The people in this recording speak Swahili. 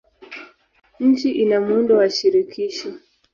Nchi ina muundo wa shirikisho.